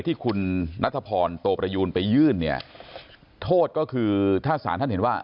ที่คุณนัทพรโตประยูนไปยื่นเนี่ยโทษก็คือถ้าสารท่านเห็นว่า